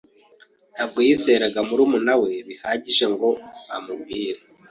Ntabwo yizeraga murumuna we bihagije ngo amubwire.